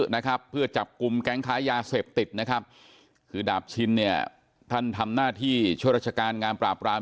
นะครับเพื่อจับกลุ่มแก๊งค้ายาเสพติดนะครับคือดาบชินเนี่ยท่านทำหน้าที่ช่วยราชการงานปราบราม